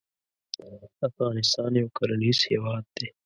افغانستان یو کرنیز هیواد دی